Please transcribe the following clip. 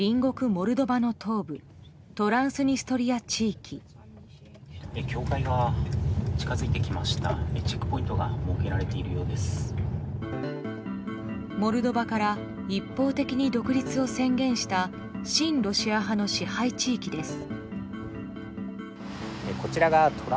モルドバから一方的に独立を宣言した親ロシア派の支配地域です。